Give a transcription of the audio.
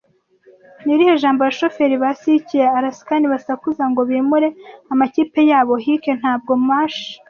Ni irihe jambo abashoferi ba sike ya Alaskan basakuza ngo bimure amakipe yabo Hike ntabwo Mush